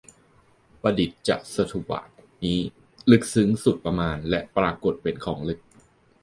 ปฏิจจสมุบาทนี้ ลึกซึ้งสุดประมาณและปรากฏเป็นของลึก